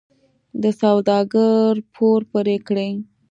د سوداګر پور پرې کړي.